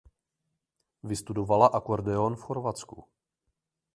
Vystudovala akordeon v Chorvatsku.